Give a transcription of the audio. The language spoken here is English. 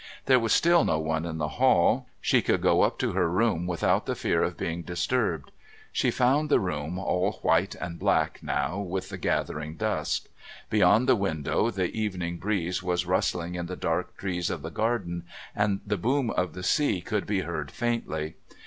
There was still no one in the hall; she could go up to her room without the fear of being disturbed. She found the room, all white and black now with the gathering dusk. Beyond the window the evening breeze was rustling in the dark trees of the garden and the boom of the sea could be heard faintly.